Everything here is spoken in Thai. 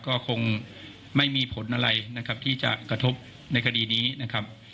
ก็คงไม่มีผลอะไรนะครับที่จะกระทบในคดีนี้นะครับ